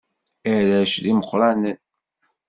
Arrac d imeqqranen.